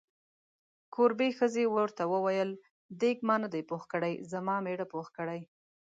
کوربې ښځې ورته وویل: دیګ ما نه دی پوخ کړی، زما میړه پوخ کړی.